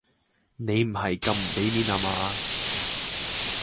你唔係咁唔俾面呀嘛？